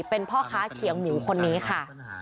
เป็นพ่อค้าเขียงหมูคนนี้ค่ะ